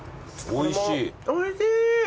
おいしい！